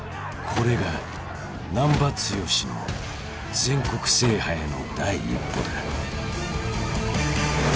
［これが難破剛の全国制覇への第一歩だ］